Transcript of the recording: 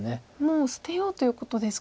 もう捨てようということですか。